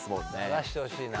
流してほしいな。